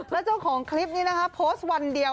แล้วเจ้าของคลิปนี้นะคะโพสต์วันเดียว